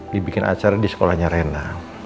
dia bikin acara di sekolahnya reina